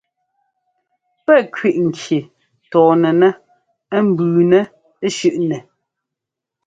Pɛ́ kwiʼ ŋki tɔɔnɛnɛ́ ɛ́mbʉʉnɛ́ shʉ́ʼnɛ.